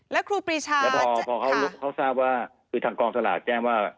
แล้วครูปรีชาแล้วพอเขาทราบว่าคือทางกองสลากแจ้งว่า